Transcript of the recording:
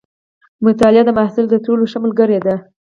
مطالعه د محصل تر ټولو ښه ملګرې ده.